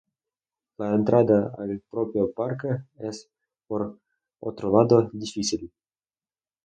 La entrada al propio parque es, por otro lado, difícil.